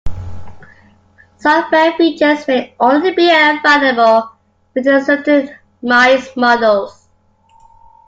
Software features may only be available with certain mice models.